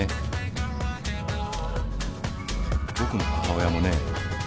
僕の母親もね